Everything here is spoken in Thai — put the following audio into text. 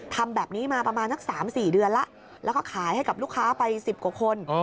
ทำแบบนี้มาประมาณสัก๓๔เดือนแล้วแล้วก็ขายให้กับลูกค้าไป๑๐กว่าคน